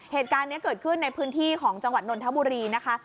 เหตุการณ์นี้เกิดขึ้นในพื้นที่ของจังหวัดนนทบุรีนะคะ